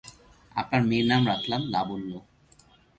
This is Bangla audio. আপনার মেয়ের নাম রাখলাম লাবণ্য।